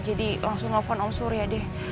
jadi langsung nelfon om suraya deh